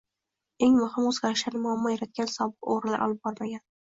Eng muhimi, o'zgarishlarni muammo yaratgan sobiq o'g'rilar olib bormagan